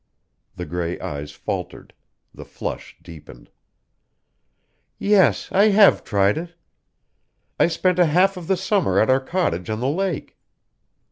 The gray eyes faltered; the flush deepened. "Yes, I have tried it. I spent a half of the summer at our cottage on the lake."